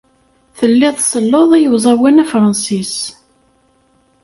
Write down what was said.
Telliḍ tselleḍ i uẓawan afṛensis.